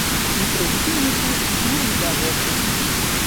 І прычыны тут навідавоку.